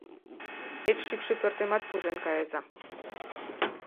Кеч шӱкшӧ пӧртемат пужен кайыза.